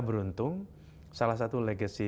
beruntung salah satu legacy